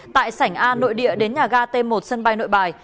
tại sảnh a nội địa đến nhà ga t một sân bay nội bài